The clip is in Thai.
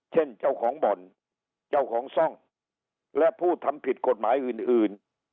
เช่นเจ้าของบ่อนเจ้าของซ่องและผู้ทำผิดกฎหมายอื่น